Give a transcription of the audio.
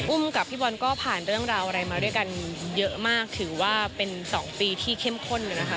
กับพี่บอลก็ผ่านเรื่องราวอะไรมาด้วยกันเยอะมากถือว่าเป็น๒ปีที่เข้มข้นเลยนะคะ